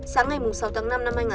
sáng ngày sáu tháng năm